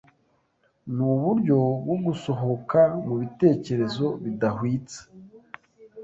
Nuburyo bwo gusohoka mubitekerezo bidahwitse